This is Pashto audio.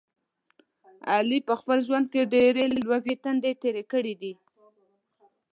علي په خپل ژوند کې ډېرې لوږې تندې تېرې کړي دي.